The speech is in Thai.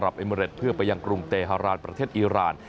เอเมริดเพื่อไปยังกรุงเตฮารานประเทศอีราน